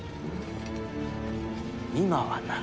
今はな。